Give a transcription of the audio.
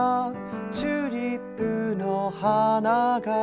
「チューリップのはなが」